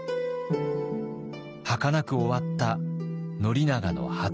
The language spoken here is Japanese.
はかなく終わった宣長の初恋。